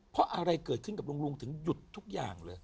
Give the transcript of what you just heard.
เพราะอะไรเกิดขึ้นกับลุงลุงถึงหยุดทุกอย่างเลย